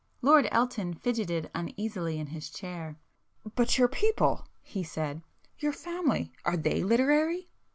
Lord Elton fidgetted uneasily in his chair. "But your people"—he said—"Your family—are they literary?"